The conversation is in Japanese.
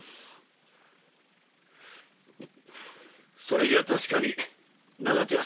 それじゃ確かに。